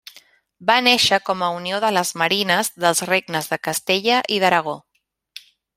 Va néixer com a unió de les marines dels regnes de Castella i d'Aragó.